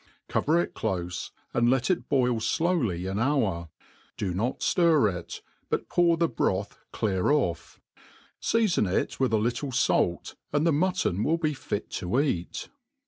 Cover it clofe, and let it boil flowly an hour ; do not Sir it, but pour the brotb clear off. Seafon it with a little fait, and the mutton will be fit to eat.